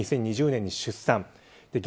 ２０２０年に出産。